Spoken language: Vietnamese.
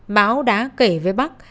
mão đã kể với bác